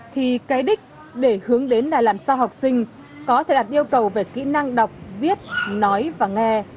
thì cái đích để hướng đến là làm sao học sinh có thể đạt yêu cầu về kỹ năng đọc viết nói và nghe